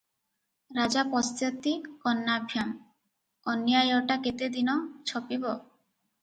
"ରାଜା ପଶ୍ୟତି କର୍ଣ୍ଣାଭ୍ୟାଂ ।" ଅନ୍ୟାୟଟା କେତେଦିନ ଛପିବ ।